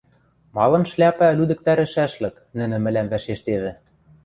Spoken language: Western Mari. — Малын шляпӓ лӱдӹктӓрӹшӓшлык? — нӹнӹ мӹлӓм вӓшештевӹ.